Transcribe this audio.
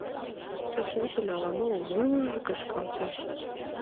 Тушечын ала-мо вуж-ж кышкалтеш.